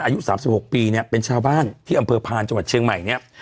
อายุ๓๖ปีเนี่ยเป็นชาวบ้านที่อำเภอพานจังหวัดเชียงใหม่เนี่ย